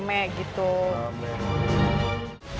sambil nanti kita cermin makan